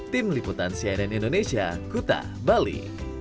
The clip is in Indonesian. tim liputan cnn indonesia kuta bali